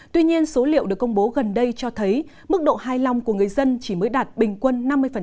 tuy nhiên số liệu được công bố gần đây cho thấy mức độ hài lòng của người dân chỉ mới đạt bình quân năm mươi